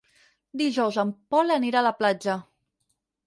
Dijous en Pol anirà a la platja.